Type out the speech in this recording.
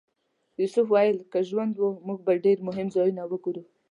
یوسف وویل که ژوند و موږ به ډېر مهم ځایونه وګورو.